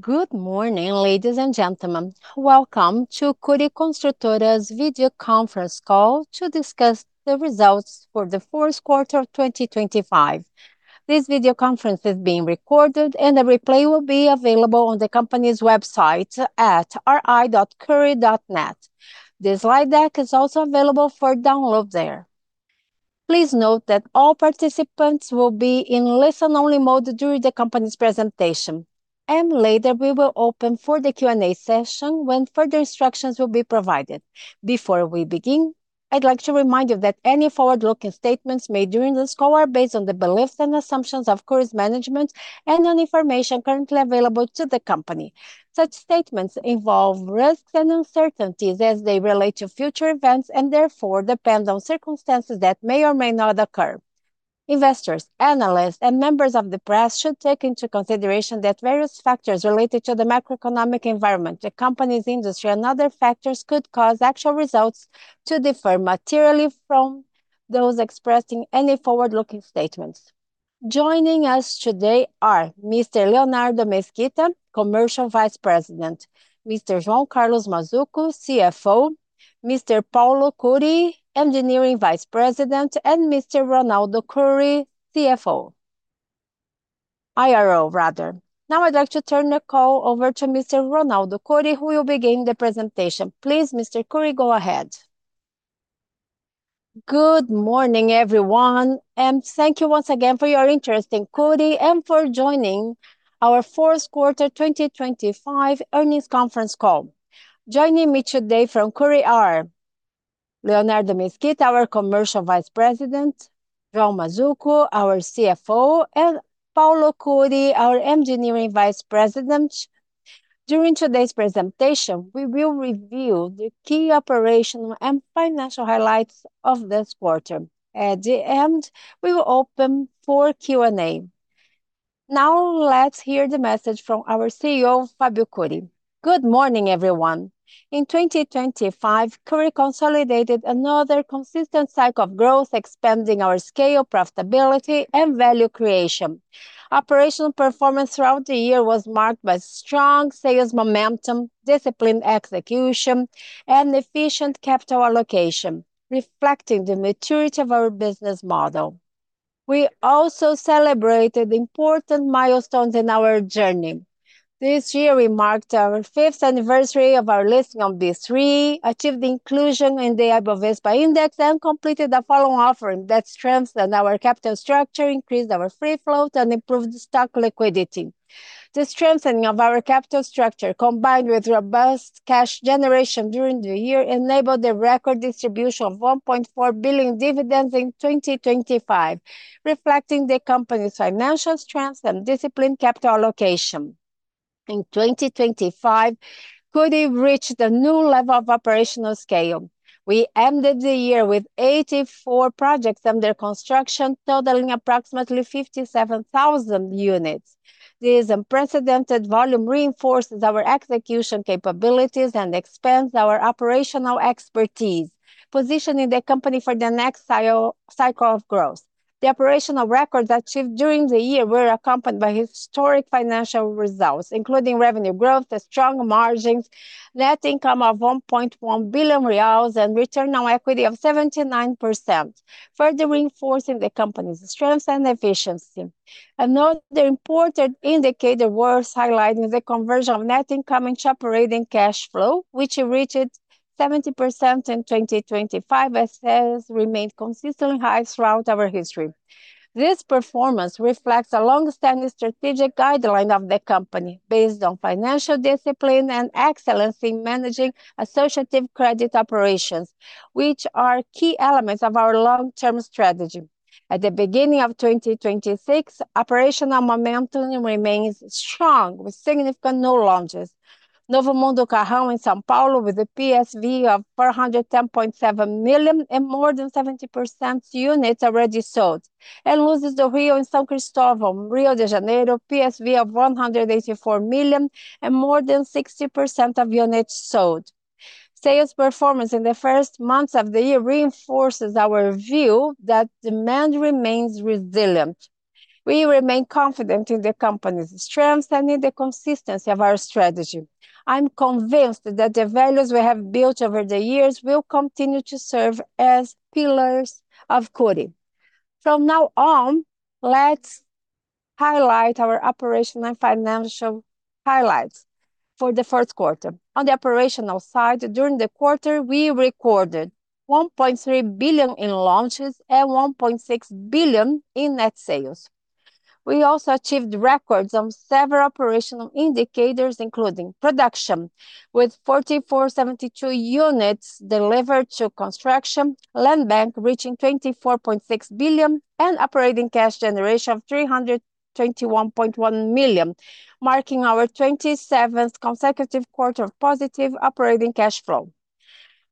Good morning, ladies and gentlemen. Welcome to Cury Construtora's video conference call to discuss the results for the fourth quarter of 2025. This video conference is being recorded and a replay will be available on the company's website at ri.cury.net. The slide deck is also available for download there. Please note that all participants will be in listen only mode during the company's presentation, and later we will open for the Q&A session when further instructions will be provided. Before we begin, I'd like to remind you that any forward-looking statements made during this call are based on the beliefs and assumptions of Cury's management and on information currently available to the company. Such statements involve risks and uncertainties as they relate to future events and therefore depend on circumstances that may or may not occur. Investors, analysts, and members of the press should take into consideration that various factors related to the macroeconomic environment, the company's industry, and other factors could cause actual results to differ materially from those expressing any forward-looking statements. Joining us today are Mr. Leonardo Mesquita, Commercial Vice President, Mr. João Carlos Mazzuco, CFO, Mr. Paulo Cury, Engineering Vice President, and Mr. Ronaldo Cury, CFO. IRO, rather. Now I'd like to turn the call over to Mr. Ronaldo Cury, who will begin the presentation. Please, Mr. Cury, go ahead. Good morning, everyone, and thank you once again for your interest in Cury and for joining our fourth quarter 2025 earnings conference call. Joining me today from Cury are Leonardo Mesquita, our Commercial Vice President, João Mazzuco, our CFO, and Paulo Cury, our Engineering Vice President. During today's presentation, we will review the key operational and financial highlights of this quarter. At the end, we will open for Q&A. Now let's hear the message from our CEO, Fábio Cury. Good morning, everyone. In 2025, Cury consolidated another consistent cycle of growth, expanding our scale, profitability, and value creation. Operational performance throughout the year was marked by strong sales momentum, disciplined execution, and efficient capital allocation, reflecting the maturity of our business model. We also celebrated important milestones in our journey. This year, we marked our fifth anniversary of our listing on B3, achieved inclusion in the Ibovespa index, and completed the follow-on offering that strengthened our capital structure, increased our free float, and improved stock liquidity. The strengthening of our capital structure, combined with robust cash generation during the year, enabled the record distribution of 1.4 billion dividends in 2025, reflecting the company's financial strength and disciplined capital allocation. In 2025, Cury reached a new level of operational scale. We ended the year with 84 projects under construction, totaling approximately 57,000 units. This unprecedented volume reinforces our execution capabilities and expands our operational expertise, positioning the company for the next cycle of growth. The operational records achieved during the year were accompanied by historic financial results, including revenue growth and strong margins, net income of 1.1 billion reais, and return on equity of 79%, further reinforcing the company's strength and efficiency. Another important indicator worth highlighting is the conversion of net income and operating cash flow, which reached 70% in 2025 and has remained consistently high throughout our history. This performance reflects a long-standing strategic guideline of the company based on financial discipline and excellence in managing associative credit operations, which are key elements of our long-term strategy. At the beginning of 2026, operational momentum remains strong with significant new launches. Novo Mundo Carrão in São Paulo with a PSV of 410.7 million and more than 70% units already sold. Luzes do Rio in São Cristóvão, Rio de Janeiro, PSV of 184 million and more than 60% of units sold. Sales performance in the first months of the year reinforces our view that demand remains resilient. We remain confident in the company's strength and in the consistency of our strategy. I'm convinced that the values we have built over the years will continue to serve as pillars of Cury. From now on, let's highlight our operational and financial highlights for the fourth quarter. On the operational side, during the quarter, we recorded 1.3 billion in launches and 1.6 billion in net sales. We also achieved records on several operational indicators, including production, with 4,472 units delivered to construction, landbank reaching 24.6 billion, and operating cash generation of 321.1 million, marking our 27th consecutive quarter of positive operating cash flow.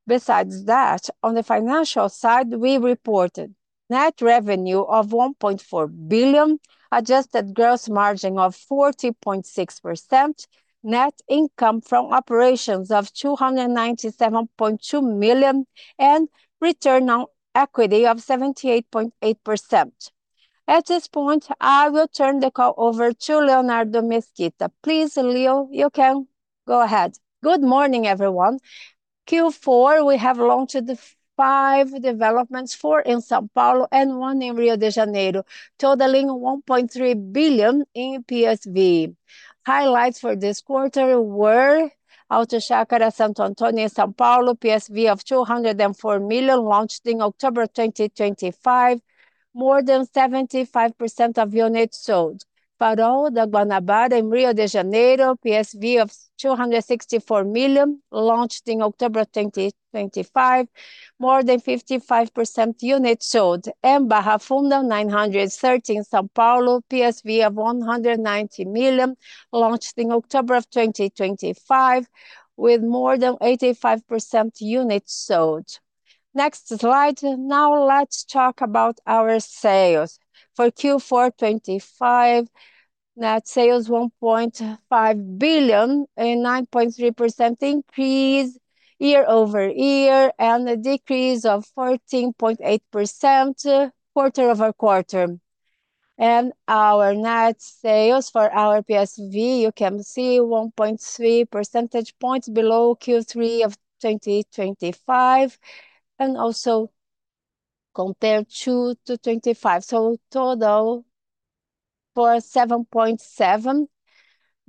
Besides that, on the financial side, we reported net revenue of 1.4 billion, adjusted gross margin of 40.6%, net income from operations of 297.2 million, and return on equity of 78.8%. At this point, I will turn the call over to Leonardo Mesquita. Please, Leo, you can go ahead. Good morning, everyone. Q4, we have launched five developments, four in São Paulo and one in Rio de Janeiro, totaling 1.3 billion in PSV. Highlights for this quarter were Alto da Chácara Santo Antônio, São Paulo, PSV of 204 million launched in October 2025. More than 75% of units sold. Farol da Guanabara in Rio de Janeiro, PSV of 264 million, launched in October 2025. More than 55% units sold. Barra Funda 930, São Paulo, PSV of 190 million, launched in October 2025 with more than 85% units sold. Next slide. Now let's talk about our sales. For Q4 2025, net sales 1.5 billion, a 9.3% increase year-over-year, and a 14.8% decrease quarter-over-quarter. Our net sales for our PSV, you can see 1.3 percentage points below Q3 2025, and also compared to 2025. Total for 7.7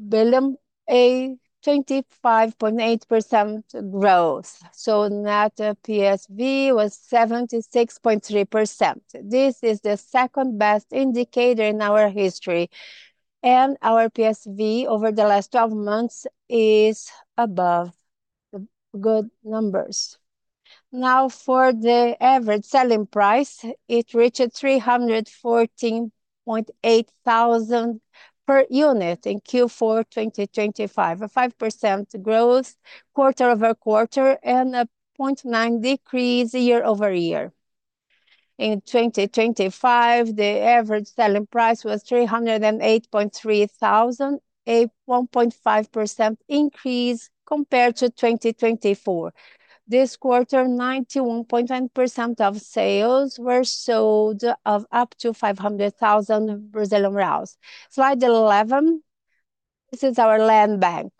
billion, a 25.8% growth. Net PSV was 76.3%. This is the second-best indicator in our history. Our PSV over the last 12 months is above the good numbers. Now, for the average selling price, it reached 314.8 thousand per unit in Q4 2025. A 5% growth quarter-over-quarter and a 0.9% decrease year-over-year. In 2025, the average selling price was 308.3 thousand, a 1.5% increase compared to 2024. This quarter, 91.9% of sales were sold of up to 500,000 Brazilian reais. Slide 11. This is our land bank.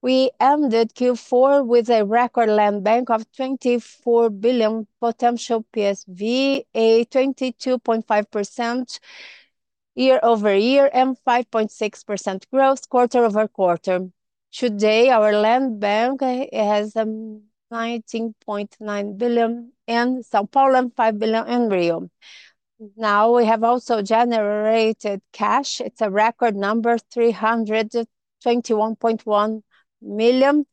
We ended Q4 with a record land bank of 24 billion potential PSV, a 22.5% year-over-year and 5.6% quarter-over-quarter growth. Today, our land bank has 19.9 billion in São Paulo and 5 billion in Rio. We have also generated cash. It's a record number, 321.1 million,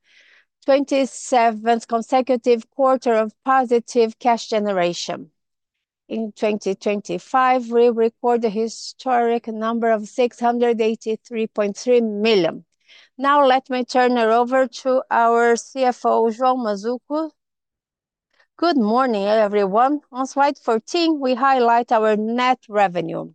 twenty-seven consecutive quarter of positive cash generation. In 2025, we record a historic number of 683.3 million. Let me turn it over to our CFO, João Carlos Mazzuco. Good morning, everyone. On slide 14, we highlight our net revenue.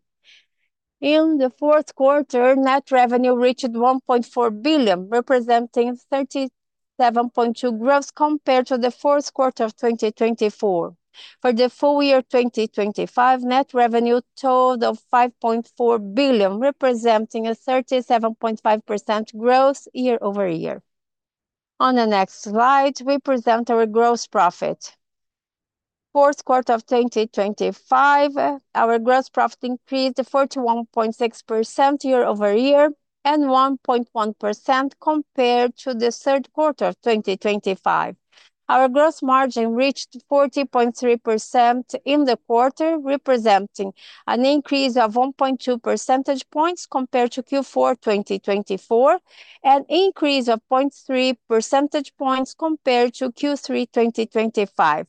In the fourth quarter, net revenue reached 1.4 billion, representing 37.2% growth compared to the fourth quarter of 2024. For the full year 2025, net revenue totaled 5.4 billion, representing a 37.5% growth year-over-year. On the next slide, we present our gross profit. Fourth quarter of 2025, our gross profit increased by 41.6% year-over-year and 1.1% compared to the third quarter 2025. Our gross margin reached 40.3% in the quarter, representing an increase of 1.2 percentage points compared to Q4 2024, an increase of 0.3 percentage points compared to Q3 2025.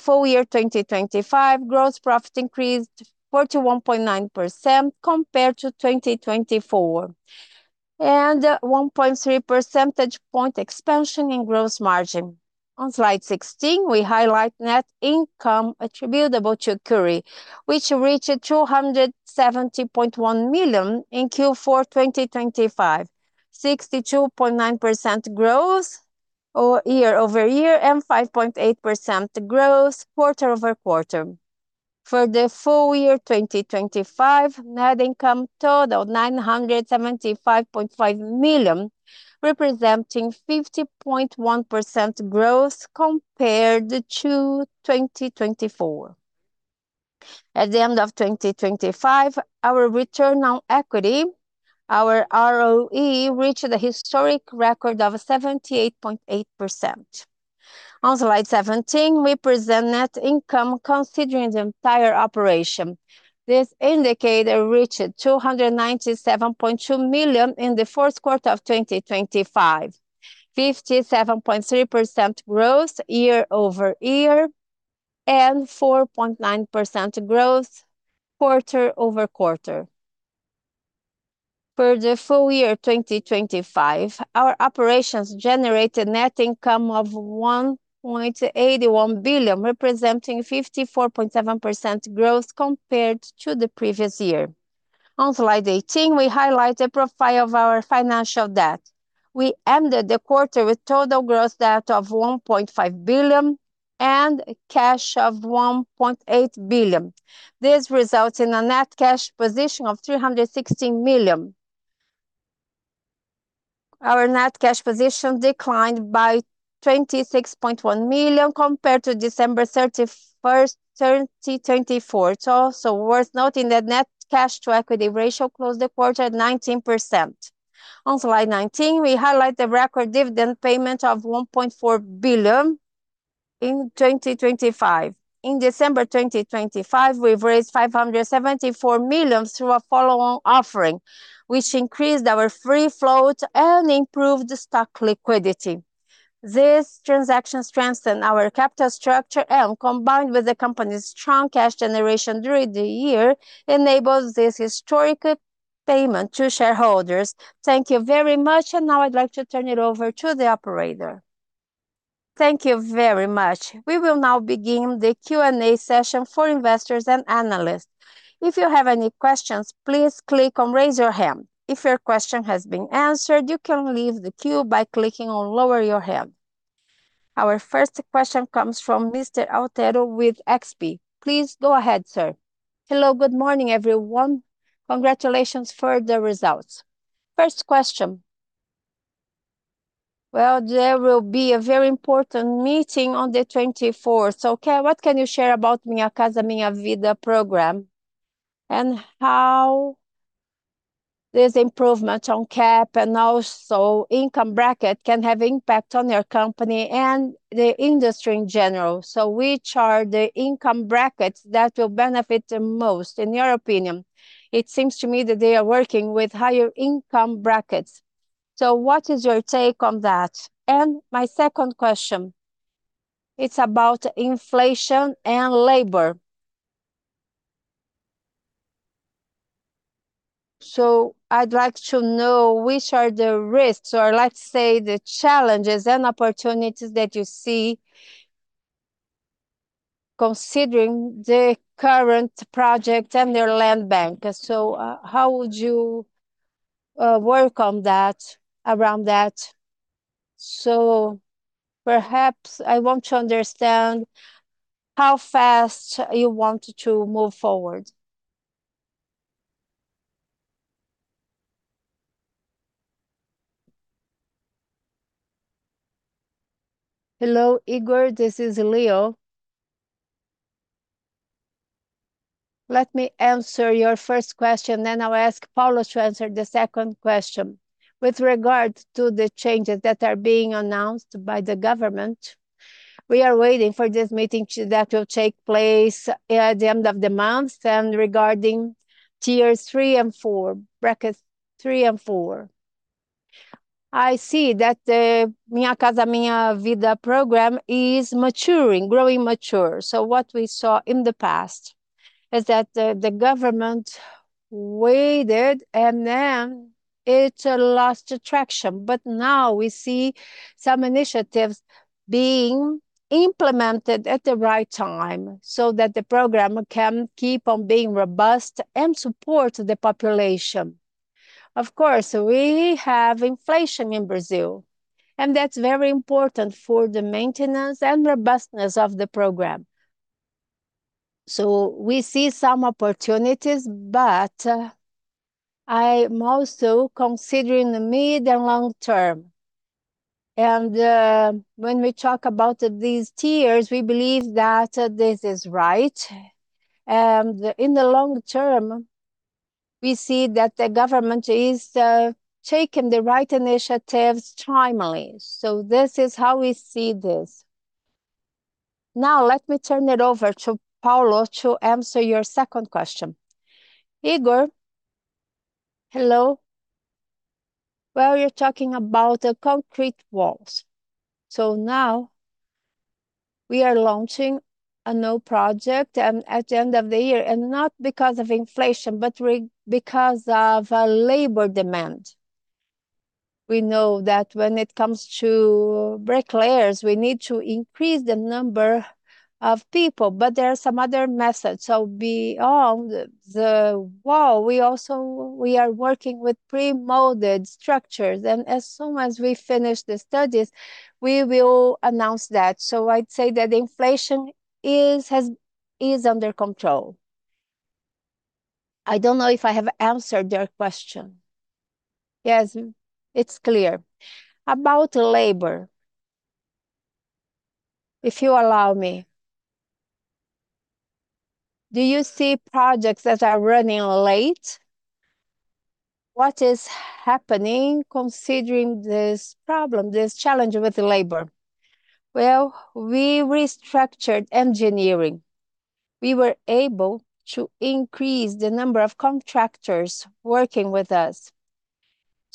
Full year 2025 gross profit increased 41.9% compared to 2024, and 1.3 percentage point expansion in gross margin. On slide 16, we highlight net income attributable to Cury, which reached 270.1 million in Q4 2025. 62.9% growth year-over-year, and 5.8% growth quarter-over-quarter. For the full year 2025, net income totaled 975.5 million, representing 50.1% growth compared to 2024. At the end of 2025, our return on equity, our ROE, reached a historic record of 78.8%. On slide 17, we present net income considering the entire operation. This indicator reached 297.2 million in the fourth quarter of 2025. 57.3% growth year-over-year, and 4.9% growth quarter-over-quarter. For the full year 2025, our operations generated net income of 1.81 billion, representing 54.7% growth compared to the previous year. On slide 18, we highlight the profile of our financial debt. We ended the quarter with total gross debt of 1.5 billion. Cash of 1.8 billion. This results in a net cash position of 316 million. Our net cash position declined by 26.1 million compared to December 31st, 2024. It's also worth noting that net cash to equity ratio closed the quarter at 19%. On slide 19, we highlight the record dividend payment of 1.4 billion in 2025. In December 2025, we've raised 574 million through a follow-on offering, which increased our free float and improved stock liquidity. This transaction strengthened our capital structure and, combined with the company's strong cash generation during the year, enables this historic payment to shareholders. Thank you very much, and now I'd like to turn it over to the operator. Thank you very much. We will now begin the Q&A session for investors and analysts. If you have any questions, please click on Raise Your Hand. If your question has been answered, you can leave the queue by clicking on Lower Your Hand. Our first question comes from Mr. Ygor Altero with XP Investimentos. Please go ahead, sir. Hello. Good morning, everyone. Congratulations for the results. First question. Well, there will be a very important meeting on the 24th. Okay, what can you share about Minha Casa, Minha Vida Program, and how this improvement on cap and also income bracket can have impact on your company and the industry in general? So which are the income brackets that will benefit the most, in your opinion? It seems to me that they are working with higher income brackets. So what is your take on that? And my second question is about inflation and labor. I'd like to know which are the risks or, let's say, the challenges and opportunities that you see considering the current project and their land bank. How would you work on that, around that? Perhaps I want to understand how fast you want to move forward. Hello, Igor, this is Leo. Let me answer your first question, then I'll ask Carlos to answer the second question. With regard to the changes that are being announced by the government, we are waiting for this meeting that will take place at the end of the month. Regarding tiers three and four, brackets three and four. I see that the Minha Casa, Minha Vida Program is maturing, growing mature. What we saw in the past is that the government waited, and then it lost attraction. Now we see some initiatives being implemented at the right time so that the program can keep on being robust and support the population. Of course, we have inflation in Brazil, and that's very important for the maintenance and robustness of the program. We see some opportunities, but I'm also considering the mid and long term. When we talk about these tiers, we believe that this is right. In the long term, we see that the government is taking the right initiatives timely. This is how we see this. Now let me turn it over to Paulo to answer your second question. Igor, hello. Well, you're talking about the concrete walls. Now we are launching a new project at the end of the year, and not because of inflation, but because of labor demand. We know that when it comes to bricklayers, we need to increase the number of people, but there are some other methods. Beyond the wall, we also are working with pre-molded structures, and as soon as we finish the studies, we will announce that. I'd say that inflation is under control. I don't know if I have answered your question. Yes. It's clear. About labor, if you allow me, do you see projects that are running late? What is happening considering this problem, this challenge with the labor? Well, we restructured engineering. We were able to increase the number of contractors working with us.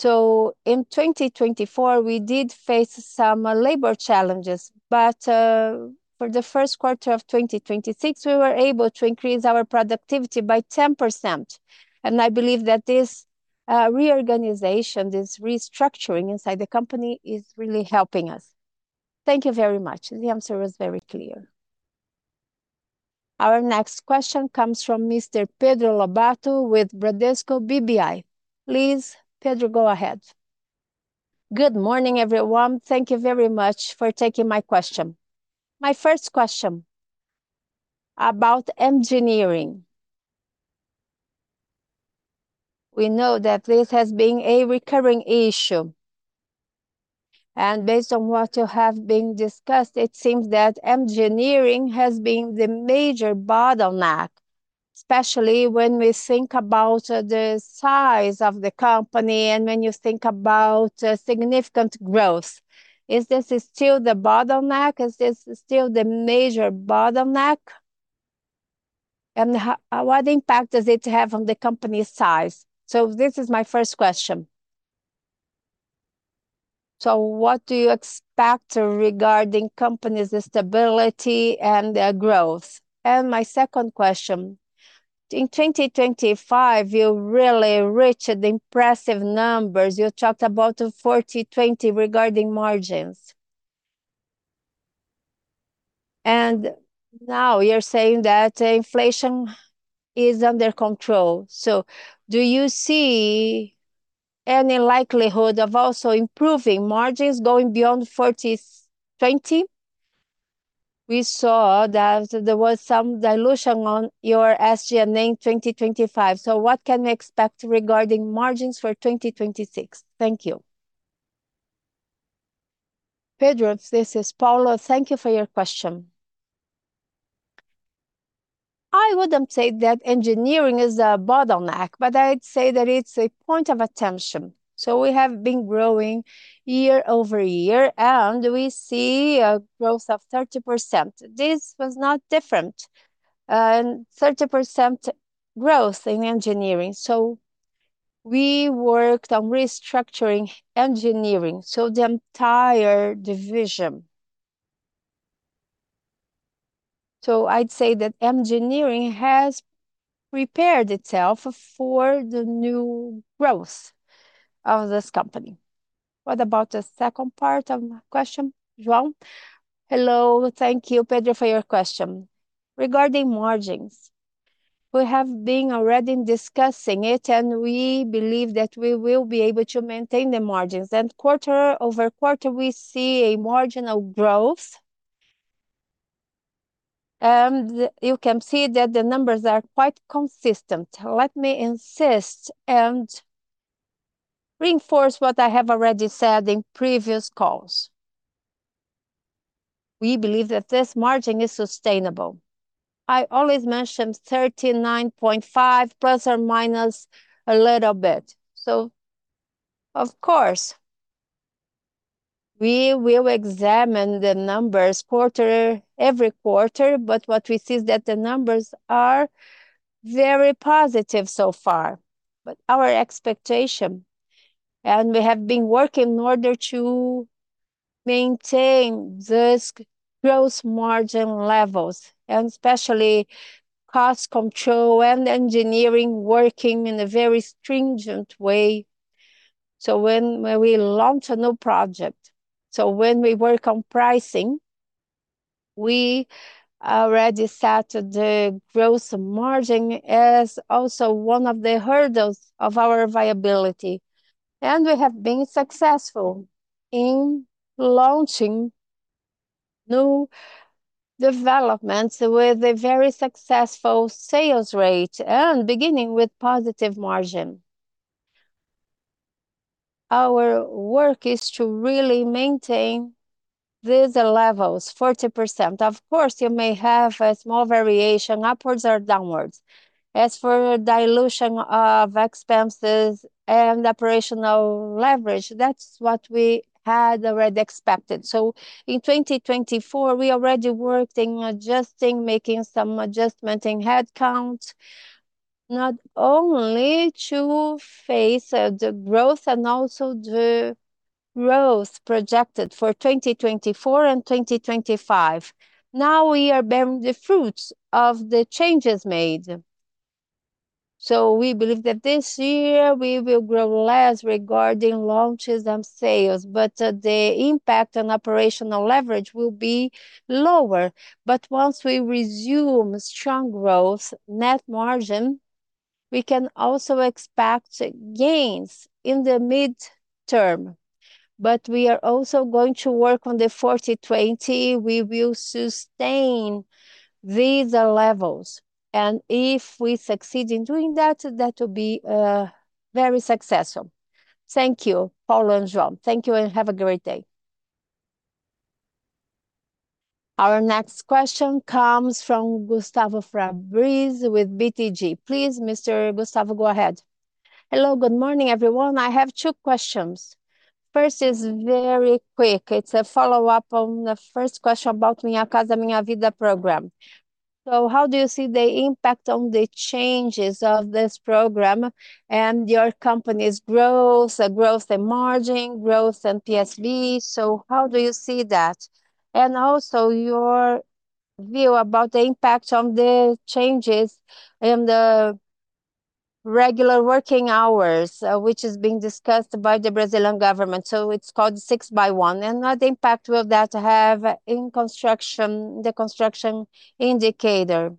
In 2024, we did face some labor challenges, but for the first quarter of 2026, we were able to increase our productivity by 10%. I believe that this reorganization, this restructuring inside the company is really helping us. Thank you very much. The answer was very clear. Our next question comes from Mr. Pedro Lobato with Bradesco BBI. Please, Pedro, go ahead. Good morning, everyone. Thank you very much for taking my question. My first question about engineering. We know that this has been a recurring issue, and based on what you have been discussed, it seems that engineering has been the major bottleneck, especially when we think about the size of the company and when you think about significant growth. Is this still the bottleneck? Is this still the major bottleneck? What impact does it have on the company's size? So this is my first question. So what do you expect regarding company's stability and growth? My second question: In 2025, you really reached impressive numbers. You talked about 40/20 regarding margins. Now you're saying that inflation is under control. Do you see any likelihood of also improving margins going beyond 40/20? We saw that there was some dilution on your SG&A in 2025. What can we expect regarding margins for 2026? Thank you. Pedro, this is Paulo. Thank you for your question. I wouldn't say that engineering is a bottleneck, but I'd say that it's a point of attention. We have been growing year-over-year, and we see a growth of 30%. This was not different. 30% growth in engineering. We worked on restructuring engineering, so the entire division. I'd say that engineering has prepared itself for the new growth of this company. What about the second part of my question, João? Hello. Thank you, Pedro, for your question. Regarding margins, we have been already discussing it, and we believe that we will be able to maintain the margins. Quarter-over-quarter, we see a marginal growth. You can see that the numbers are quite consistent. Let me insist and reinforce what I have already said in previous calls. We believe that this margin is sustainable. I always mention 39.5% ± a little bit. Of course, we will examine the numbers every quarter, but what we see is that the numbers are very positive so far. Our expectation, and we have been working in order to maintain these growth margin levels, and especially cost control and engineering working in a very stringent way. When we launch a new project, when we work on pricing, we already set the growth margin as also one of the hurdles of our viability. We have been successful in launching new developments with a very successful sales rate and beginning with positive margin. Our work is to really maintain these levels, 40%. Of course, you may have a small variation upwards or downwards. As for dilution of expenses and operational leverage, that's what we had already expected. In 2024, we already worked in adjusting, making some adjustment in headcount, not only to face the growth and also the growth projected for 2024 and 2025. Now we are bearing the fruits of the changes made. We believe that this year we will grow less regarding launches and sales, but the impact on operational leverage will be lower. Once we resume strong growth net margin, we can also expect gains in the midterm. We are also going to work on the 40/20. We will sustain these levels. If we succeed in doing that will be very successful. Thank you, Paulo and João. Thank you and have a great day. Our next question comes from Gustavo Cambauva with BTG. Please, Mr. Gustavo, go ahead. Hello, good morning, everyone. I have two questions. First is very quick. It's a follow-up on the first question about Minha Casa, Minha Vida program. How do you see the impact on the changes of this program and your company's growth and margin, growth and PSV? How do you see that? Also your view about the impact on the changes in the regular working hours, which is being discussed by the Brazilian government. It's called six by one, and what impact will that have in construction, the construction indicator.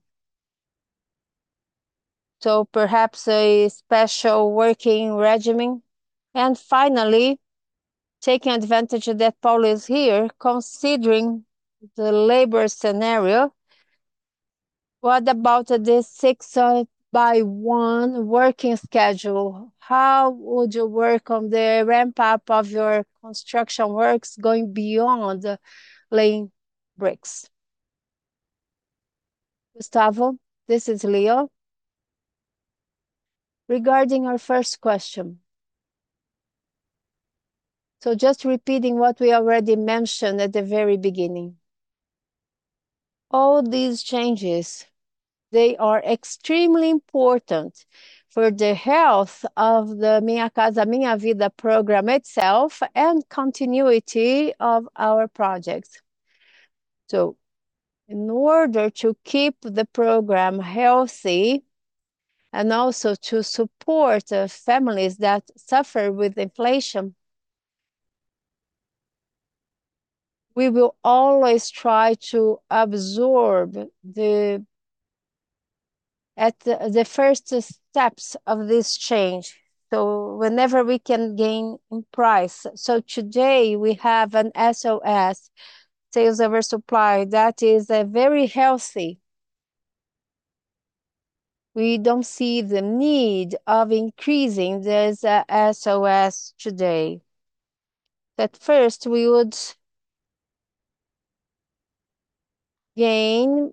Perhaps a special working regimen. Finally, taking advantage that Paulo is here, considering the labor scenario, what about the six by one working schedule? How would you work on the ramp-up of your construction works going beyond laying bricks? Gustavo, this is Leo. Regarding our first question, just repeating what we already mentioned at the very beginning. All these changes, they are extremely important for the health of the Minha Casa, Minha Vida program itself, and continuity of our projects. In order to keep the program healthy, and also to support the families that suffer with inflation, we will always try to absorb the first steps of this change. Whenever we can gain in price. Today we have a SoS, sales over supply, that is very healthy. We don't see the need of increasing this SoS today. At first we would gain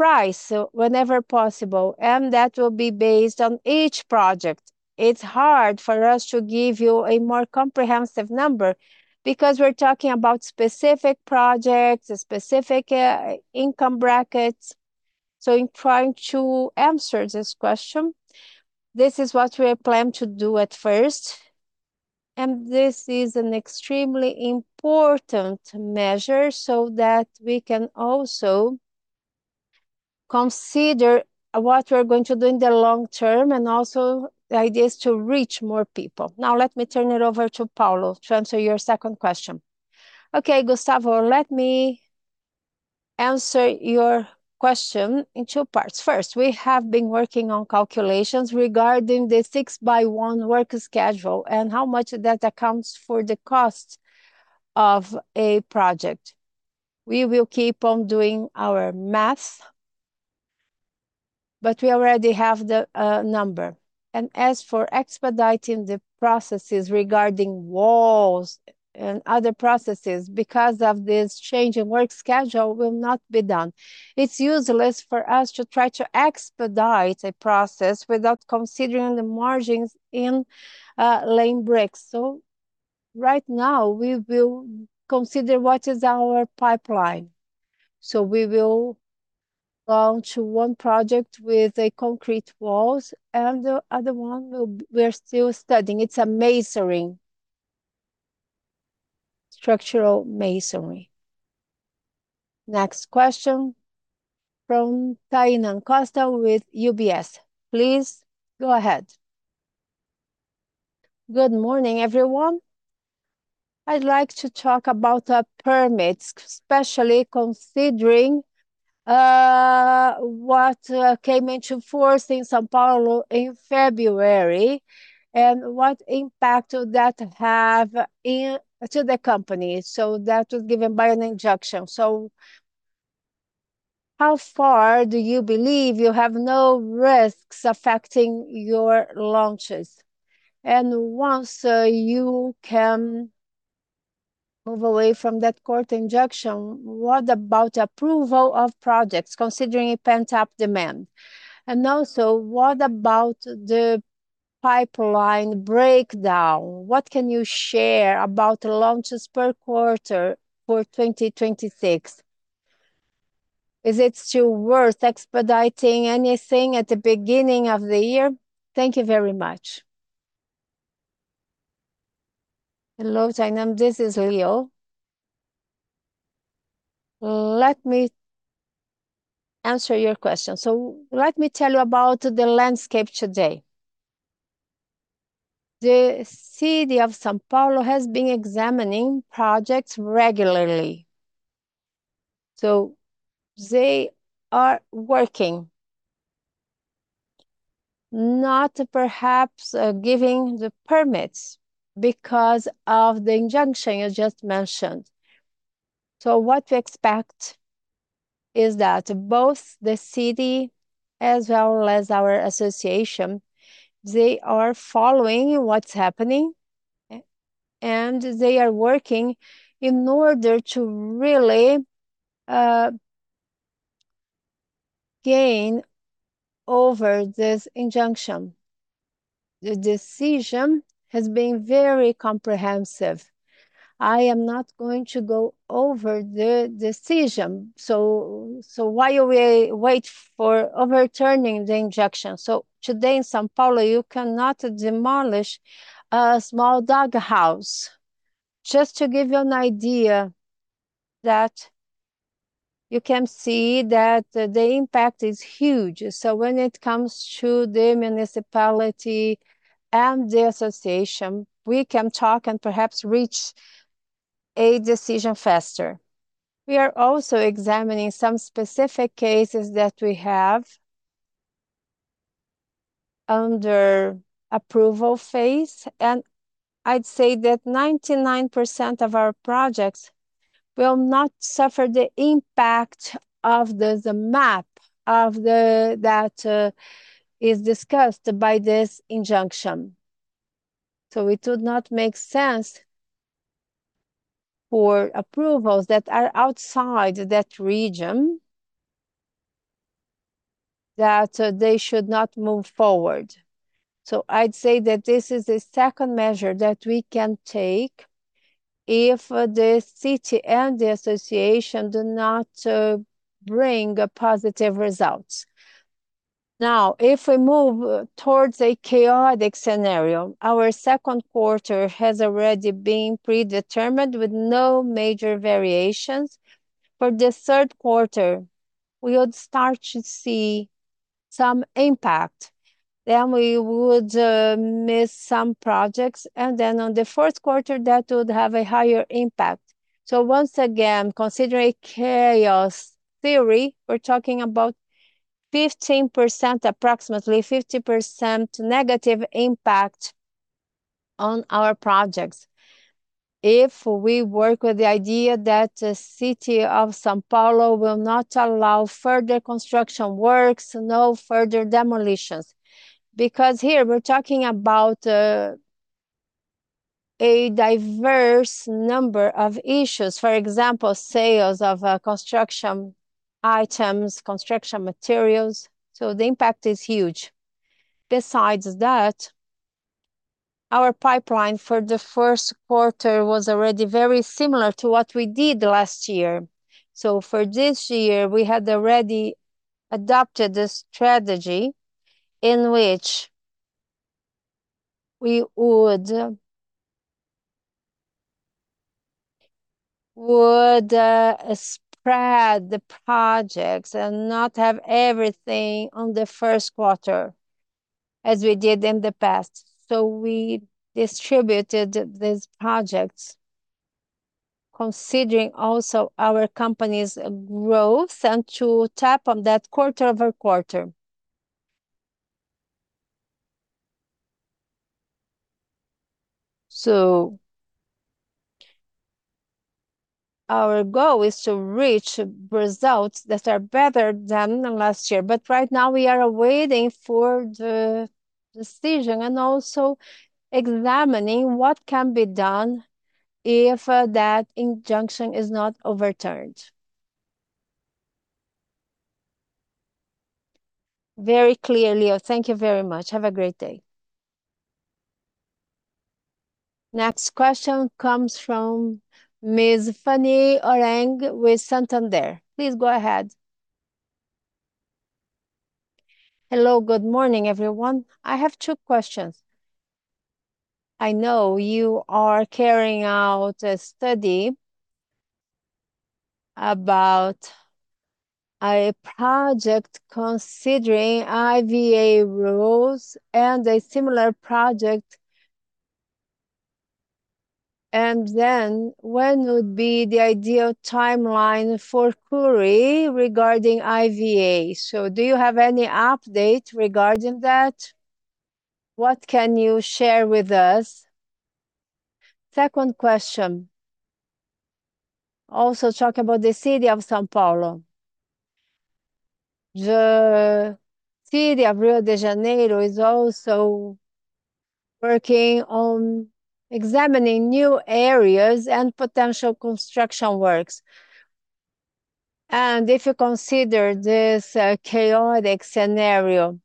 price whenever possible, and that will be based on each project. It's hard for us to give you a more comprehensive number, because we're talking about specific projects, specific income brackets. In trying to answer this question, this is what we plan to do at first, and this is an extremely important measure so that we can also consider what we are going to do in the long term, and also the idea is to reach more people. Now let me turn it over to Paulo to answer your second question. Okay, Gustavo, let me answer your question in two parts. First, we have been working on calculations regarding the six by one work schedule, and how much that accounts for the cost of a project. We will keep on doing our math, but we already have the number. As for expediting the processes regarding walls and other processes because of this change in work schedule will not be done. It's useless for us to try to expedite a process without considering the margins in laying bricks. Right now we will consider what is our pipeline. We will go to one project with the concrete walls, and the other one will, we're still studying. It's a masonry. Structural masonry. Next question from Tainá Acosta with UBS. Please go ahead. Good morning, everyone. I'd like to talk about permits, especially considering what came into force in São Paulo in February, and what impact will that have on the company. That was given by an injunction. How far do you believe you have no risks affecting your launches? Once you can move away from that court injunction, what about approval of projects considering a pent-up demand? Also, what about the pipeline breakdown? What can you share about launches per quarter for 2026? Is it still worth expediting anything at the beginning of the year? Thank you very much. Hello, Tainá. This is Leo. Let me answer your question. Let me tell you about the landscape today. The city of São Paulo has been examining projects regularly, so they are working. Not perhaps giving the permits because of the injunction you just mentioned. What we expect is that both the city as well as our association, they are following what's happening. They are working in order to really gain over this injunction. The decision has been very comprehensive. I am not going to go over the decision. While we wait for overturning the injunction. Today in São Paulo you cannot demolish a small doghouse. Just to give you an idea. You can see that the impact is huge. When it comes to the municipality and the association, we can talk and perhaps reach a decision faster. We are also examining some specific cases that we have under approval phase, and I'd say that 99% of our projects will not suffer the impact of the map of the that is discussed by this injunction. It would not make sense for approvals that are outside that region, that they should not move forward. I'd say that this is a second measure that we can take if the city and the association do not bring a positive result. Now, if we move towards a chaotic scenario, our second quarter has already been predetermined with no major variations. For the third quarter, we would start to see some impact, then we would miss some projects, and then on the fourth quarter, that would have a higher impact. Once again, considering chaos theory, we're talking about 15%, approximately 15% negative impact on our projects. If we work with the idea that the city of São Paulo will not allow further construction works, no further demolitions. Because here we're talking about a diverse number of issues. For example, sales of construction items, construction materials, so the impact is huge. Besides that, our pipeline for the first quarter was already very similar to what we did last year. For this year, we had already adopted a strategy in which we would spread the projects and not have everything on the first quarter, as we did in the past. We distributed these projects considering also our company's growth and to tap on that quarter-over-quarter. Our goal is to reach results that are better than last year. Right now we are waiting for the decision, and also examining what can be done if that injunction is not overturned. Very clear, Leo. Thank you very much. Have a great day. Next question comes from Ms. Fanny Oreng with Santander. Please go ahead. Hello, good morning, everyone. I have two questions. I know you are carrying out a study about a project considering IVA rules and a similar project. When would be the ideal timeline for Cury regarding IVA? Do you have any update regarding that? What can you share with us? Second question. Also talk about the city of São Paulo. The city of Rio de Janeiro is also working on examining new areas and potential construction works. If you consider this a chaotic scenario,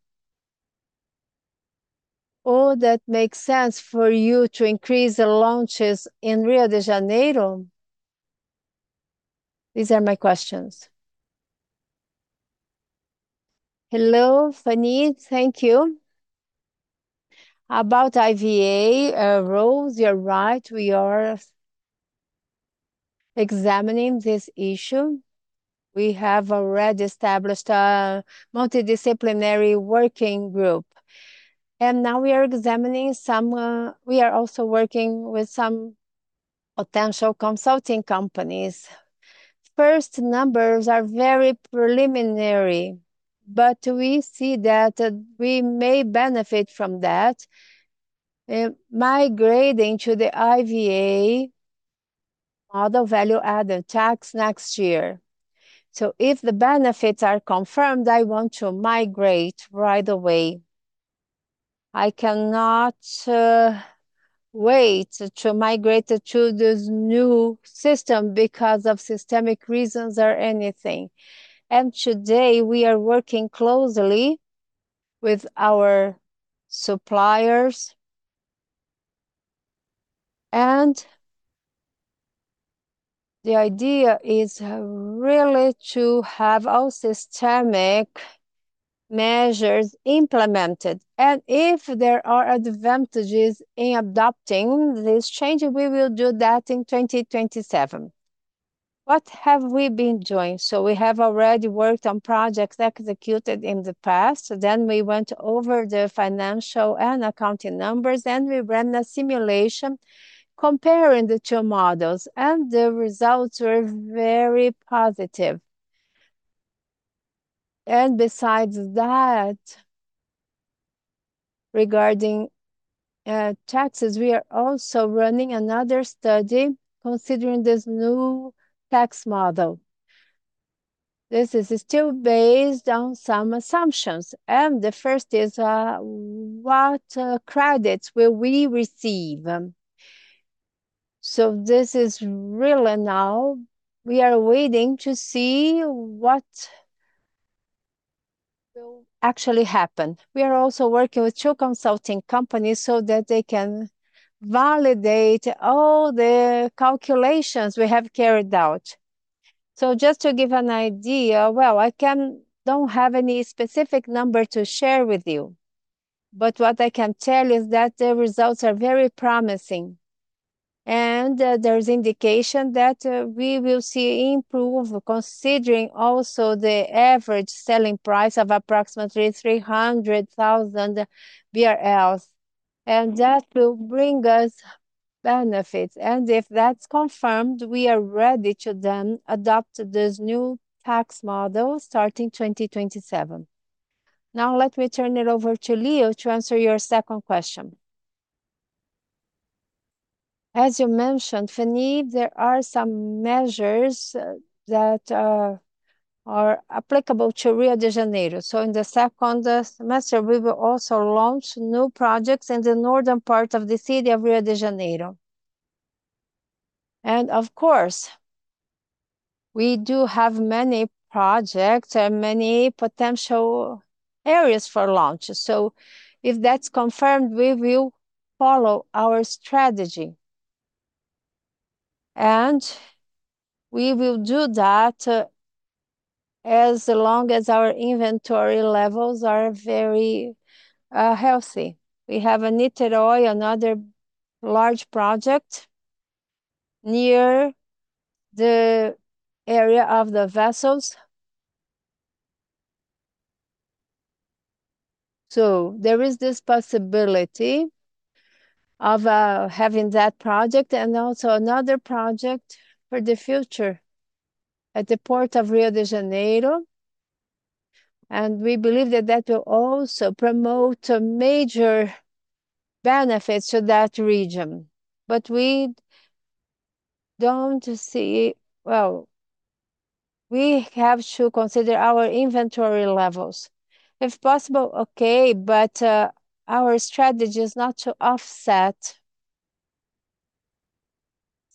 would that make sense for you to increase the launches in Rio de Janeiro? These are my questions. Hello, Fanny. Thank you. About IVA rules, you're right. We are examining this issue. We have already established a multidisciplinary working group, and now we are examining some. We are also working with some potential consulting companies. First numbers are very preliminary, but we see that, we may benefit from that, migrating to the IVA or the value added tax next year. If the benefits are confirmed, I want to migrate right away. I cannot wait to migrate to this new system because of systemic reasons or anything. Today we are working closely with our suppliers, and the idea is really to have our systemic measures implemented. If there are advantages in adopting this change, we will do that in 2027. What have we been doing? We have already worked on projects executed in the past, then we went over the financial and accounting numbers, then we ran a simulation comparing the two models, and the results were very positive. Besides that, regarding taxes, we are also running another study considering this new tax model. This is still based on some assumptions, and the first is what credits will we receive? This is really now we are waiting to see what will actually happen. We are also working with two consulting companies so that they can validate all the calculations we have carried out. Just to give an idea, well, I don't have any specific number to share with you, but what I can tell you is that the results are very promising. There's indication that we will see improvement considering also the average selling price of approximately 300,000 BRL. That will bring us benefits. If that's confirmed, we are ready to then adopt this new tax model starting 2027. Now let me turn it over to Leo to answer your second question. As you mentioned, Fanny Oreng, there are some measures that are applicable to Rio de Janeiro. In the second semester we will also launch new projects in the northern part of the city of Rio de Janeiro. Of course, we do have many projects and many potential areas for launches. If that's confirmed, we will follow our strategy. We will do that as long as our inventory levels are very healthy. We have in Niterói another large project near the area of the vessels. There is this possibility of having that project, and also another project for the future at the port of Rio de Janeiro. We believe that that will also promote major benefits to that region. We have to consider our inventory levels. If possible, okay, our strategy is not to offset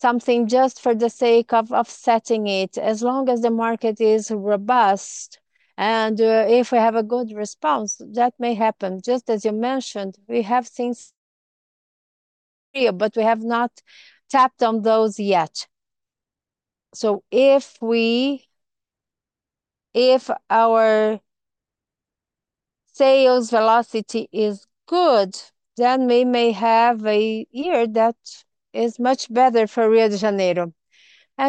something just for the sake of offsetting it. As long as the market is robust, if we have a good response, that may happen. Just as you mentioned, we have things here, but we have not tapped on those yet. If our sales velocity is good, then we may have a year that is much better for Rio de Janeiro.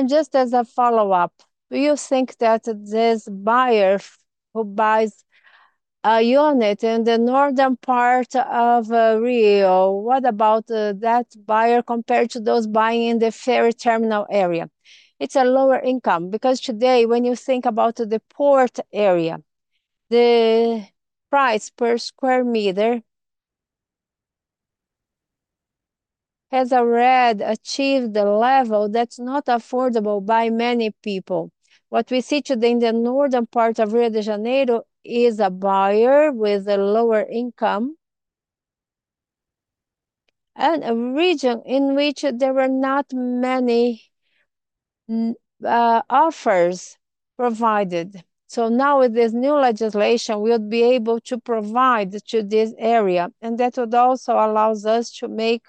Just as a follow-up, do you think that this buyer who buys a unit in the northern part of Rio, what about that buyer compared to those buying the ferry terminal area? It's a lower income. Because today when you think about the port area, the price per square meter has already achieved the level that's not affordable by many people. What we see today in the northern part of Rio de Janeiro is a buyer with a lower income and a region in which there were not many offers provided. Now with this new legislation we'll be able to provide to this area, and that would also allows us to make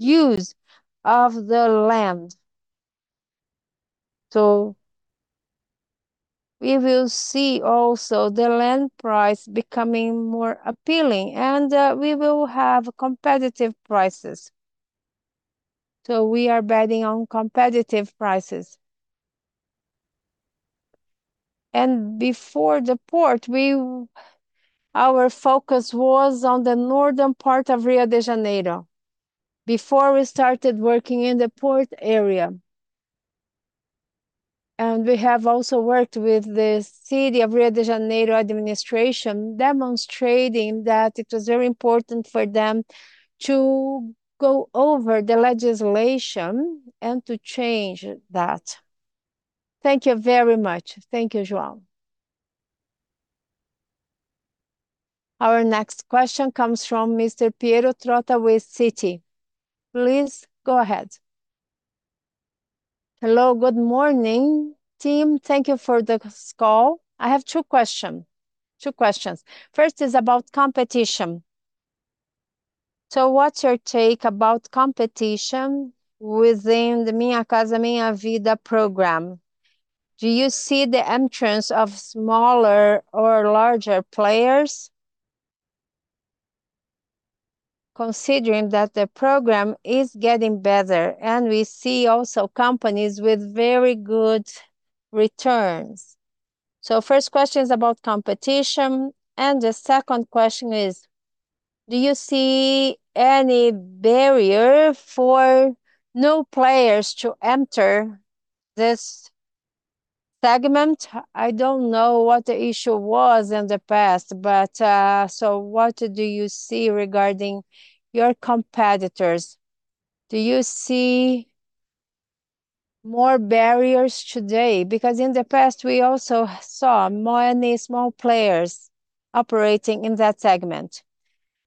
use of the land. We will see also the land price becoming more appealing, and we will have competitive prices. We are betting on competitive prices. Our focus was on the northern part of Rio de Janeiro before we started working in the port area. We have also worked with the city of Rio de Janeiro administration, demonstrating that it was very important for them to go over the legislation and to change that. Thank you very much. Thank you, João. Our next question comes from Mr.Piero Trotta with Citi. Please go ahead. Hello, good morning, team. Thank you for this call. I have two question. Two questions. First is about competition. What's your take about competition within the Minha Casa, Minha Vida program? Do you see the entrance of smaller or larger players considering that the program is getting better, and we see also companies with very good returns? First question's about competition, and the second question is: do you see any barrier for new players to enter this segment? I don't know what the issue was in the past, but, so what do you see regarding your competitors? Do you see more barriers today? Because in the past we also saw many small players operating in that segment.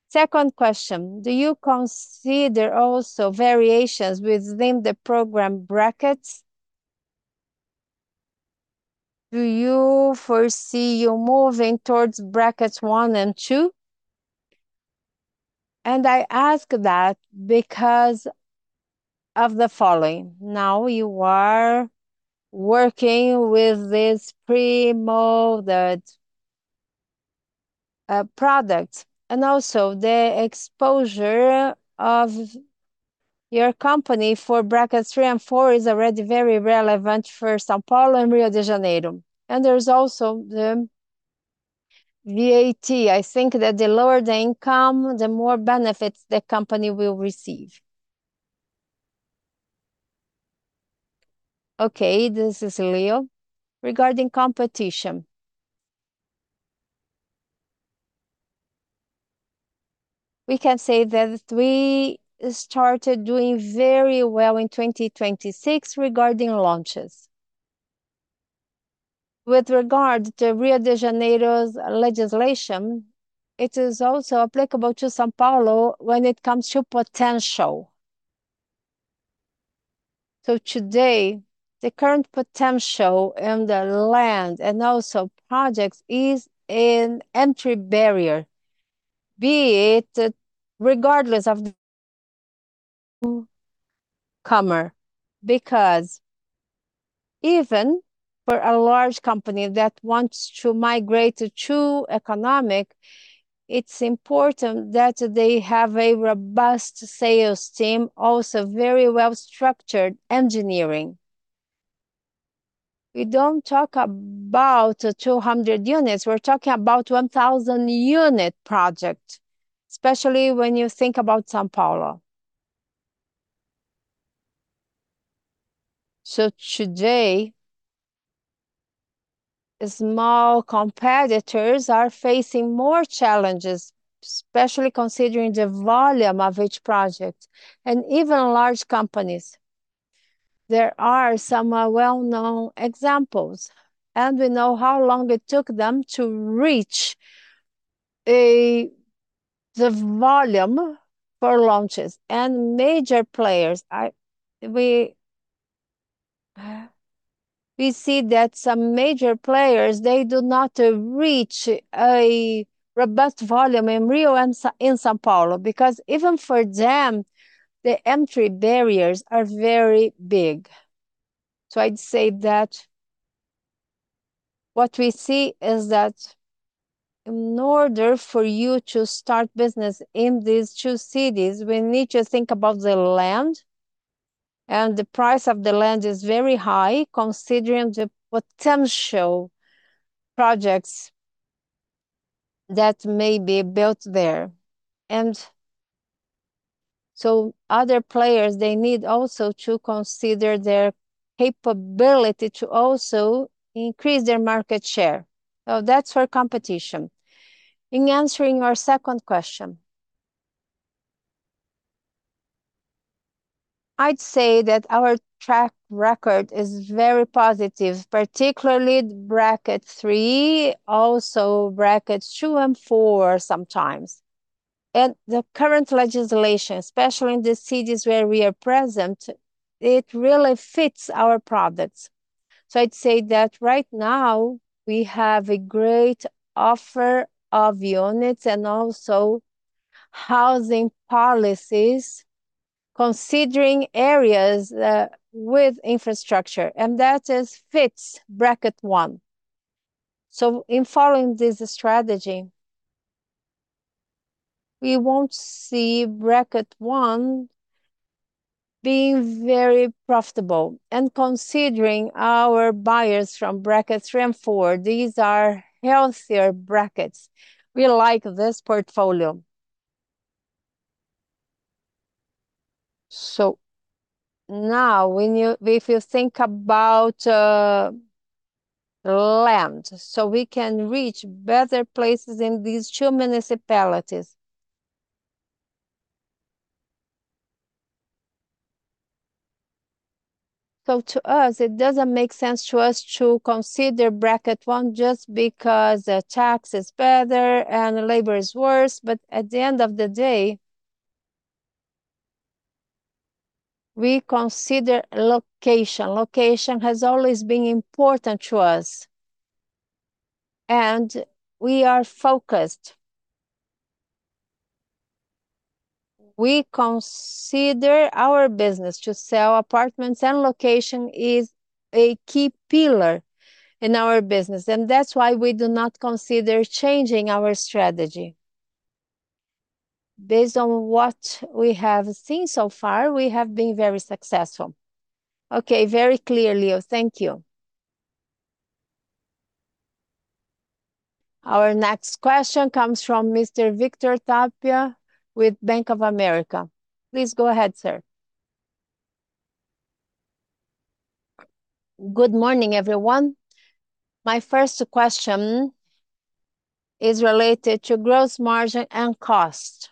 Second question: do you consider also variations within the program brackets? Do you foresee you moving towards brackets one and two? I ask that because of the following. Now you are working with this pre-molded product, and also the exposure of your company for brackets 3 and 4 is already very relevant for São Paulo and Rio de Janeiro. There's also the VAT. I think that the lower the income, the more benefits the company will receive. Okay, this is Leo. Regarding competition. We can say that we started doing very well in 2026 regarding launches. With regard to Rio de Janeiro's legislation, it is also applicable to São Paulo when it comes to potential. Today, the current potential in the land and also projects is an entry barrier, be it regardless of the comer because even for a large company that wants to migrate to true economic, it's important that they have a robust sales team, also very well-structured engineering. We don't talk about 200 units. We're talking about 1,000-unit project, especially when you think about São Paulo. Today, small competitors are facing more challenges, especially considering the volume of each project and even large companies. There are some well-known examples, and we know how long it took them to reach the volume for launches. We see that some major players, they do not reach a robust volume in Rio and in São Paulo because even for them, the entry barriers are very big. I'd say that what we see is that in order for you to start business in these two cities, we need to think about the land, and the price of the land is very high considering the potential projects that may be built there. Other players, they need also to consider their capability to also increase their market share. That's for competition. In answering your second question, I'd say that our track record is very positive, particularly bracket three, also brackets two and four sometimes. The current legislation, especially in the cities where we are present, it really fits our products. I'd say that right now we have a great offer of units and also housing policies considering areas with infrastructure, and that fits bracket one. In following this strategy, we won't see bracket one being very profitable. Considering our buyers from bracket three and four, these are healthier brackets. We like this portfolio. Now, if you think about land, we can reach better places in these two municipalities. To us, it doesn't make sense to us to consider bracket one just because the tax is better and the labor is worse. At the end of the day, we consider location. Location has always been important to us, and we are focused. We consider our business to sell apartments, and location is a key pillar in our business. That's why we do not consider changing our strategy. Based on what we have seen so far, we have been very successful. Okay, very clear, Leo. Thank you. Our next question comes from Mr. Victor Tápia with Bank of America. Please go ahead, sir. Good morning, everyone. My first question is related to gross margin and cost.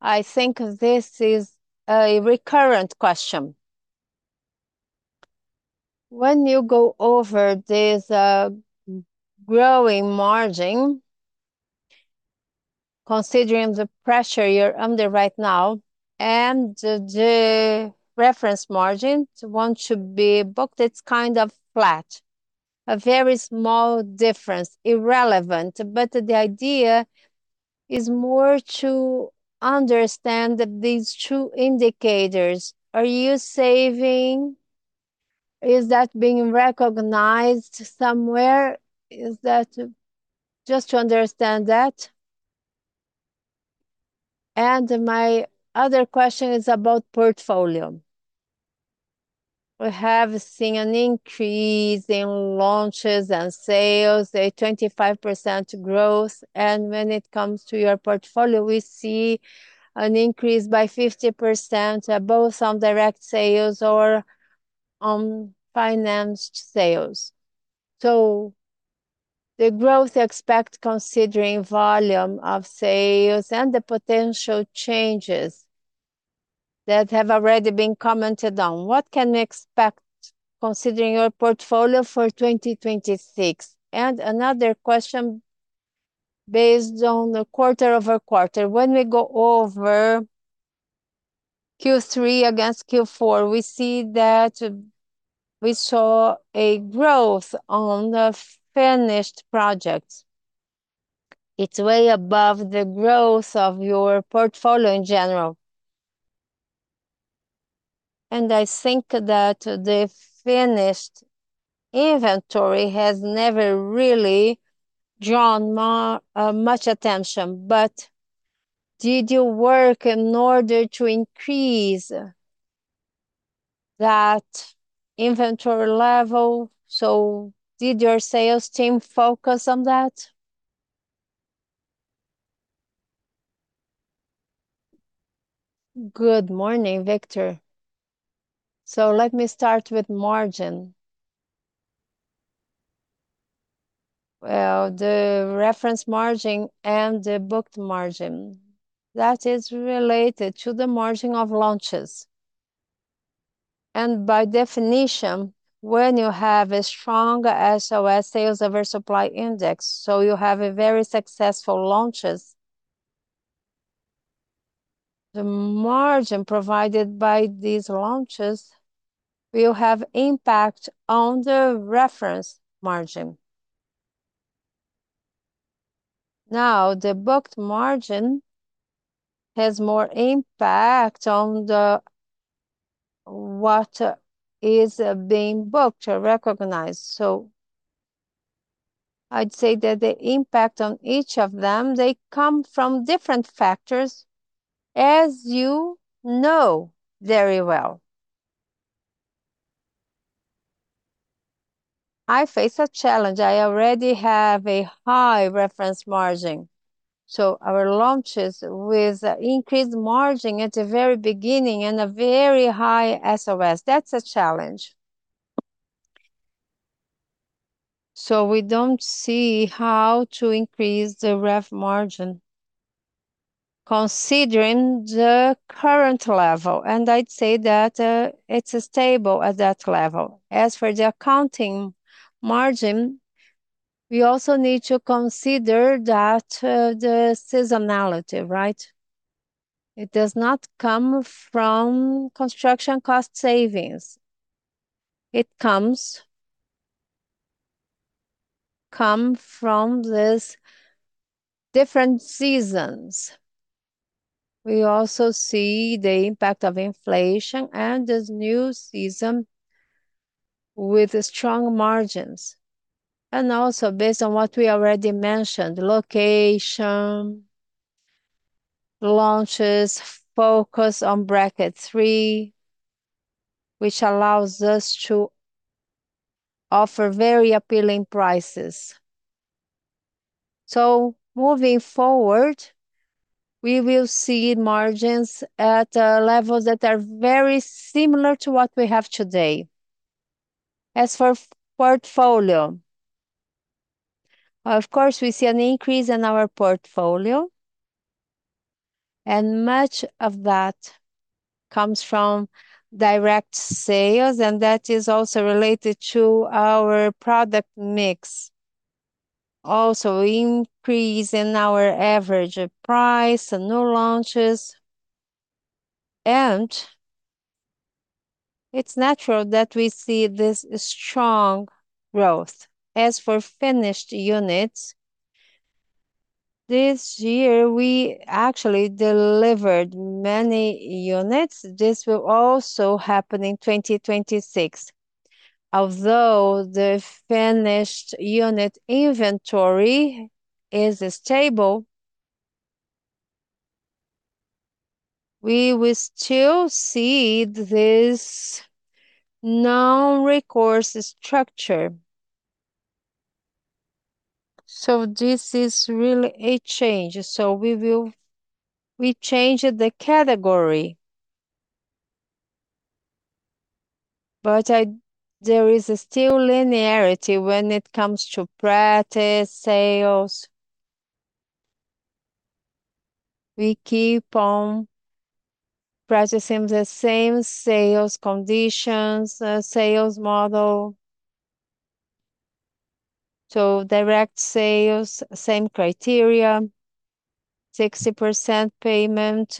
I think this is a recurring question. When you go over this gross margin, considering the pressure you're under right now, and the reference margin that we want to be booked, it's kind of flat. A very small difference. Irrelevant. The idea is more to understand these two indicators. Are you saving? Is that being recognized somewhere? Is that just to understand that. My other question is about portfolio. We have seen an increase in launches and sales, a 25% growth. When it comes to your portfolio, we see an increase by 50%, both on direct sales or on financed sales. The growth expected considering volume of sales and the potential changes that have already been commented on. What can we expect considering your portfolio for 2026? Another question based on the quarter-over-quarter. When we go over Q3 against Q4, we see that we saw a growth on the finished projects. It's way above the growth of your portfolio in general. I think that the finished inventory has never really drawn much attention. Did you work in order to increase that inventory level? Did your sales team focus on that? Good morning, Victor. Let me start with margin. Well, the reference margin and the booked margin. That is related to the margin of launches. By definition, when you have a strong SoS, sales over supply index, so you have a very successful launches, the margin provided by these launches will have impact on the reference margin. Now, the booked margin has more impact on the, what is being booked or recognized. I'd say that the impact on each of them, they come from different factors, as you know very well. I face a challenge. I already have a high reference margin. Our launches with increased margin at the very beginning and a very high SoS, that's a challenge. We don't see how to increase the ref margin considering the current level. I'd say that, it's stable at that level. As for the accounting margin, we also need to consider that, the seasonality, right? It does not come from construction cost savings. It comes from these different seasons. We also see the impact of inflation and this new season with strong margins. Also based on what we already mentioned, location, launches, focus on bracket three, which allows us to offer very appealing prices. Moving forward, we will see margins at levels that are very similar to what we have today. As for portfolio, of course, we see an increase in our portfolio, and much of that comes from direct sales, and that is also related to our product mix. Also increase in our average price and new launches. It's natural that we see this strong growth. As for finished units, this year we actually delivered many units. This will also happen in 2026. Although the finished unit inventory is stable, we will still see this non-recourse structure. This is really a change. We changed the category. There is still linearity when it comes to practice, sales. We keep on practicing the same sales conditions, sales model. Direct sales, same criteria, 60% payment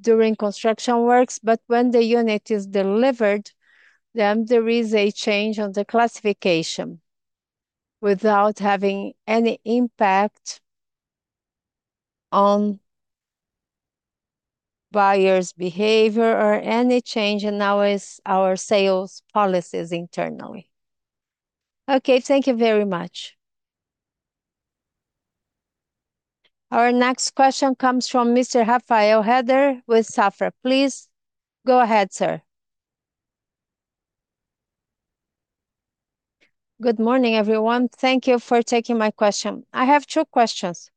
during construction works. When the unit is delivered, then there is a change on the classification without having any impact on buyers' behavior or any change in our sales policies internally. Okay, thank you very much. Our next question comes from Mr. Rafael Rehder with Safra. Please go ahead, sir. Good morning, everyone. Thank you for taking my question. I have two questions.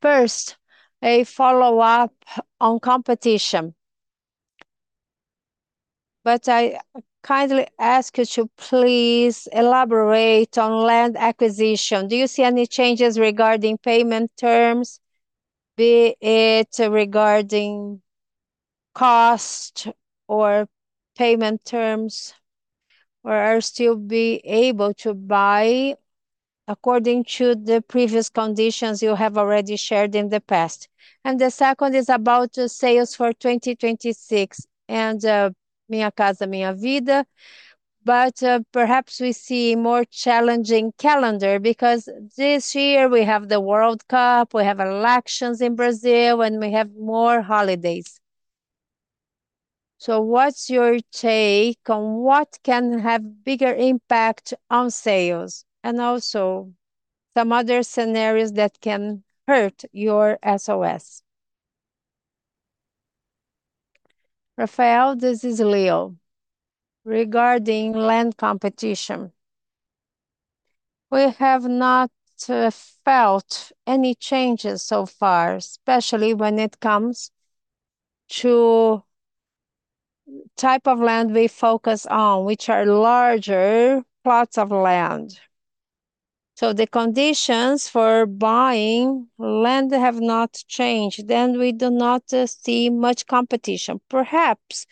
First, a follow-up on competition. I kindly ask you to please elaborate on land acquisition. Do you see any changes regarding payment terms, be it regarding cost or payment terms? Or are you still be able to buy according to the previous conditions you have already shared in the past? The second is about the sales for 2026 and Minha Casa, Minha Vida. perhaps we see more challenging calendar because this year we have the World Cup, we have elections in Brazil, and we have more holidays. What's your take on what can have bigger impact on sales, and also some other scenarios that can hurt your SoS? Rafael, this is Leo. Regarding land competition, we have not felt any changes so far, especially when it comes to type of land we focus on, which are larger plots of land. The conditions for buying land have not changed, and we do not see much competition. Perhaps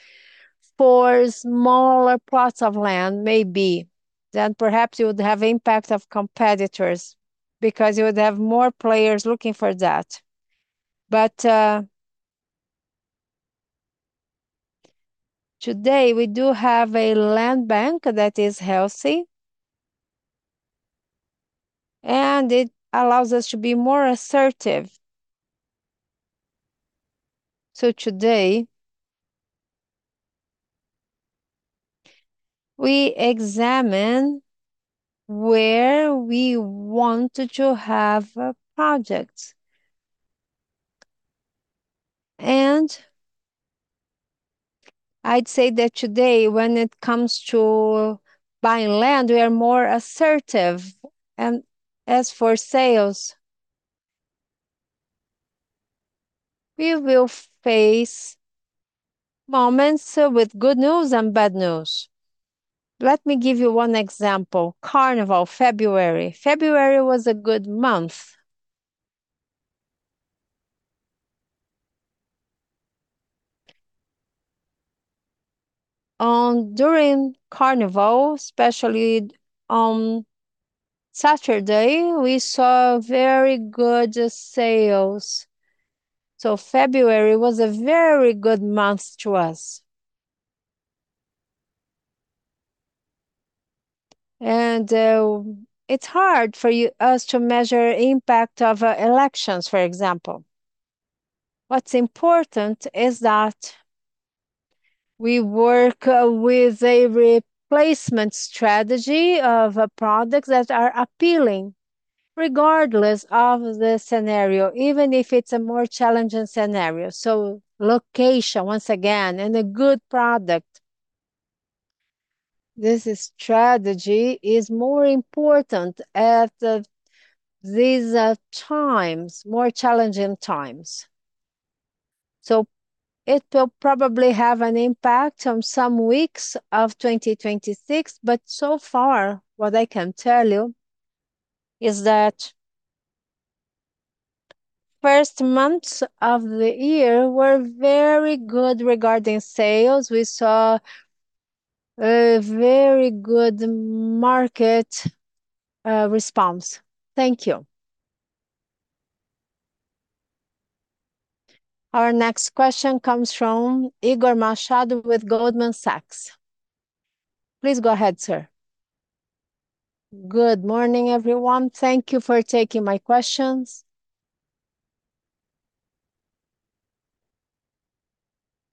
for smaller plots of land, maybe, then perhaps you would have impact of competitors because you would have more players looking for that. today we do have a land bank that is healthy, and it allows us to be more assertive. Today, we examine where we wanted to have projects. I'd say that today when it comes to buying land, we are more assertive. As for sales, we will face moments with good news and bad news. Let me give you one example. Carnival, February. February was a good month. During Carnival, especially on Saturday, we saw very good sales. February was a very good month to us. It's hard for us to measure impact of elections, for example. What's important is that we work with a replacement strategy of products that are appealing regardless of the scenario, even if it's a more challenging scenario. Location, once again, and a good product. This strategy is more important at these times, more challenging times. It will probably have an impact on some weeks of 2026, but so far what I can tell you is that first months of the year were very good regarding sales. We saw a very good market response. Thank you. Our next question comes from Igor Machado with Goldman Sachs. Please go ahead, sir. Good morning, everyone. Thank you for taking my questions.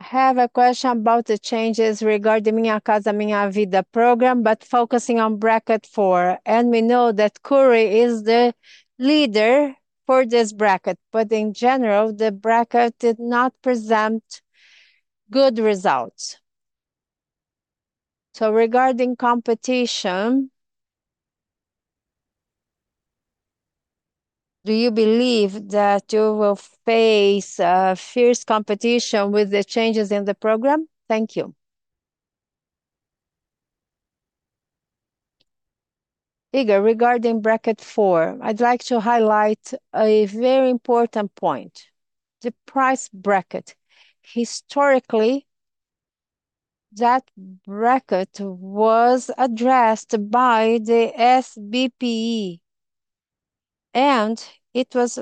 I have a question about the changes regarding Minha Casa, Minha Vida program, but focusing on bracket four, and we know that Cury is the leader for this bracket. In general, the bracket did not present good results. Regarding competition, do you believe that you will face fierce competition with the changes in the program? Thank you. Igor, regarding bracket four, I'd like to highlight a very important point, the price bracket. Historically, that bracket was addressed by the SBPE, and it was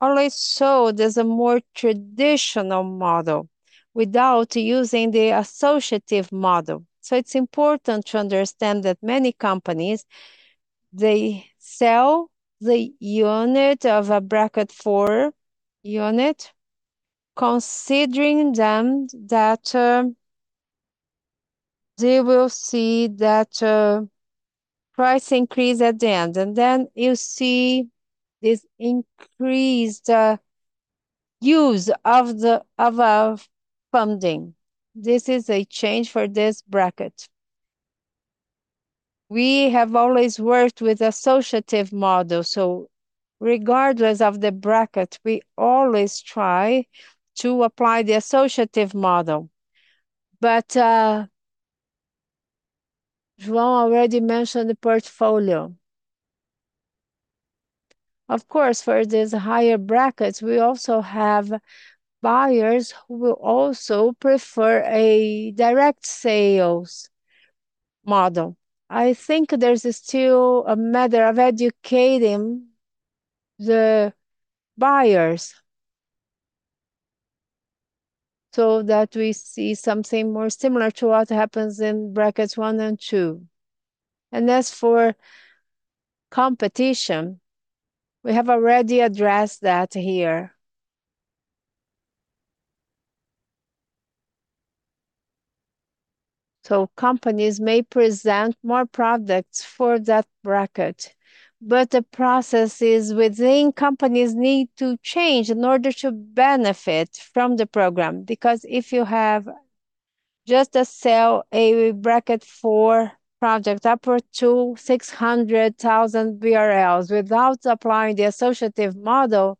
always sold as a more traditional model without using the associative model. It's important to understand that many companies, they sell the unit of a bracket four unit considering that they will see that price increase at the end. You see this increased use of the funding. This is a change for this bracket. We have always worked with associative model, so regardless of the bracket, we always try to apply the associative model. João already mentioned the portfolio. Of course, for these higher brackets we also have buyers who will also prefer a direct sales model. I think there's still a matter of educating the buyers so that we see something more similar to what happens in brackets one and two. As for competition, we have already addressed that here. Companies may present more products for that bracket, but the processes within companies need to change in order to benefit from the program. Because if you have just to sell a bracket four project up to 600,000 BRL without applying the associative model,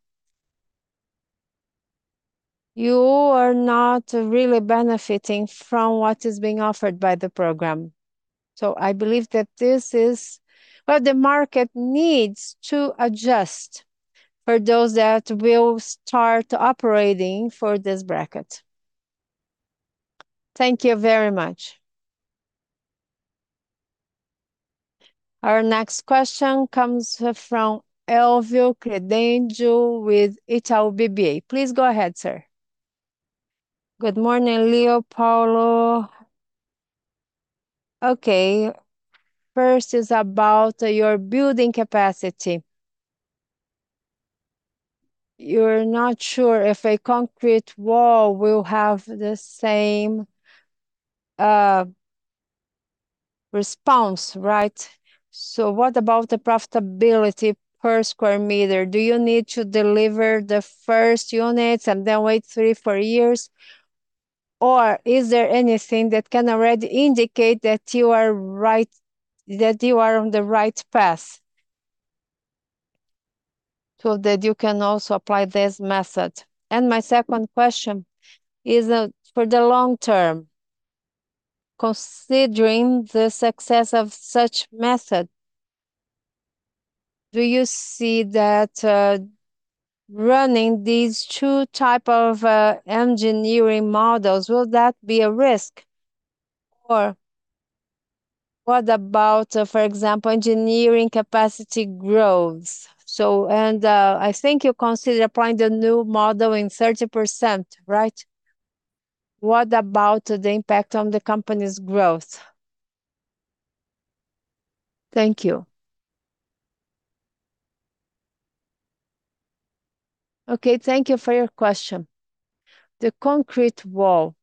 you are not really benefiting from what is being offered by the program. I believe that this is what the market needs to adjust for those that will start operating for this bracket. Thank you very much. Our next question comes from Flavio Credidio with Itaú BBA. Please go ahead, sir. Good morning, Leo, Paulo. Okay. First is about your building capacity. You're not sure if a concrete wall will have the same response, right? What about the profitability per square meter? Do you need to deliver the first units and then wait three, four years? Or is there anything that can already indicate that you are right, that you are on the right path so that you can also apply this method? My second question is, for the long term, considering the success of such method, do you see that, running these two type of engineering models, will that be a risk? Or what about, for example, engineering capacity growth? I think you consider applying the new model in 30%, right? What about the impact on the company's growth? Thank you. Okay, thank you for your question. The concrete wall.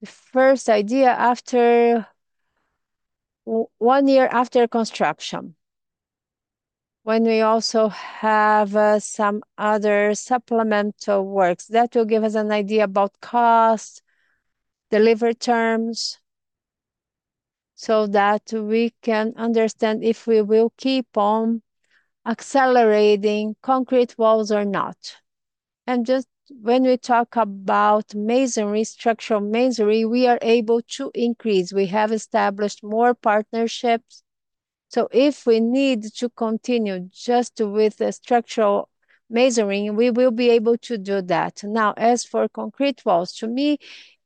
The first idea after one year after construction when we also have some other supplemental works. That will give us an idea about cost, delivery terms, so that we can understand if we will keep on accelerating concrete walls or not. Just when we talk about masonry, structural masonry, we are able to increase. We have established more partnerships, so if we need to continue just with the structural masonry, we will be able to do that. Now, as for concrete walls, to me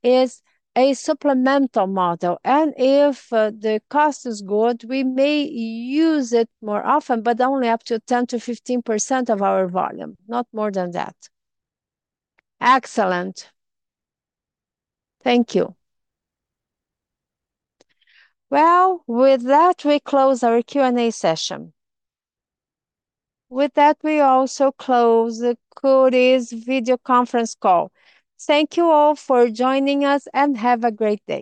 is a supplemental model, and if the cost is good, we may use it more often, but only up to 10%-15% of our volume. Not more than that. Excellent. Thank you. Well, with that, we close our Q&A session. With that, we also close Cury's video conference call. Thank you all for joining us, and have a great day.